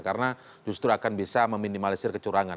karena justru akan bisa meminimalisir kecurangan